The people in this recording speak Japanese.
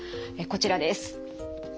こちらです。